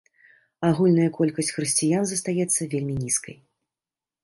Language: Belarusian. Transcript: Агульная колькасць хрысціян застаецца вельмі нізкай.